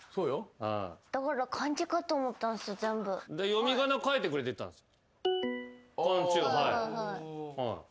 読み仮名書いてくれてたんです。